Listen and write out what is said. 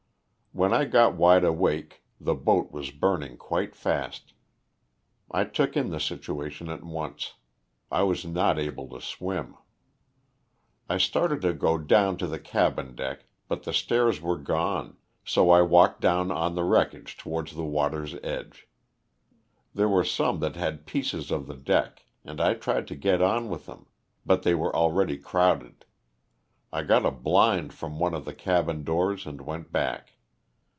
When I got wide awake, the boat was burning quite fast. I took in the situation at once. I was not able to swim. I started to go down to the cabin deck, but the stairs were gone, so I walked down on the wreckage towards the water's edge. There were some that had pieces of the deck and I tried to get on with them, but they were already crowded ; I got a blind from one of the cabin doors and went back.